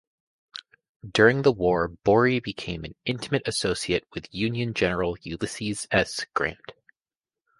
During the war Borie became an intimate associate with Union General Ulysses S. Grant.